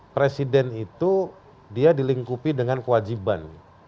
presiden itu dia dilingkupi dengan kewajiban